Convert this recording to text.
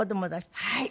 はい。